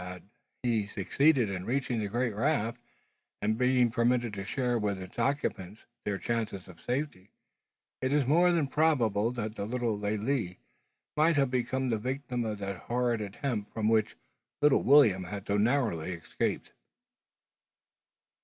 Had he succeeded in reaching the great raft, and been permitted to share with its occupants their chances of safety, it is more than probable that the little Lalee might have become the victim of that horrid attempt from which the little William had so narrowly escaped!